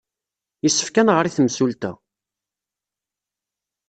Yessefk ad nɣer i temsulta.